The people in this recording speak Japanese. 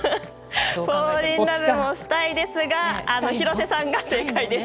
フォール・イン・ラブもしたいですが廣瀬さんが正解です。